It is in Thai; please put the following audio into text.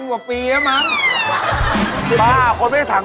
เจ้าไหน